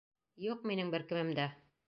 Юҡ минең бер кемем дә.